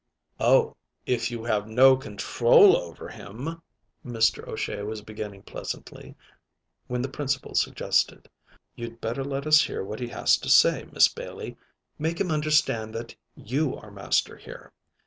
"Oh, if you have no control over him " Mr. O'Shea was beginning pleasantly, when the Principal suggested: "You'd better let us hear what he has to say, Miss Bailey; make him understand that you are master here."